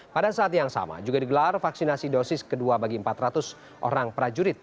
pada saat yang sama juga digelar vaksinasi dosis kedua bagi empat ratus orang prajurit